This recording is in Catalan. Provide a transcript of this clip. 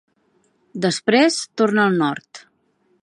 Després, torna al nord.